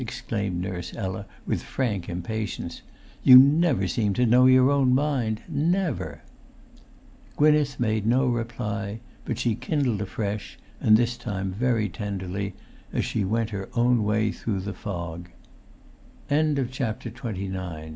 exclaimed Nurse Ella, with frank impatience. "You never seem to know your own mind—never!" Gwynneth made no reply; but she kindled afresh, and this time very tenderly, as she went her own way throu